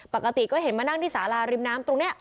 ปกติก็เห็นมานั่งที่สาราริมน้ำตรงนี้